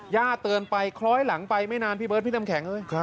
เตือนไปคล้อยหลังไปไม่นานพี่เบิร์ดพี่น้ำแข็ง